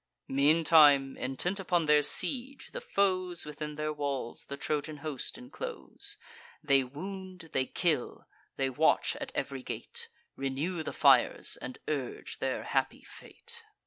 Meantime, intent upon their siege, the foes Within their walls the Trojan host inclose: They wound, they kill, they watch at ev'ry gate; Renew the fires, and urge their happy fate.